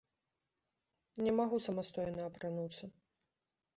Не магу самастойна апрануцца.